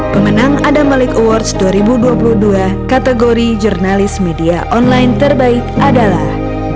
pemenang adamalic awards dua ribu dua puluh dua kategori jurnalis media online terbaik adalah